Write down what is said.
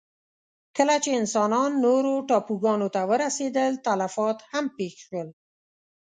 کله چې انسانان نورو ټاپوګانو ته ورسېدل، تلفات هم پېښ شول.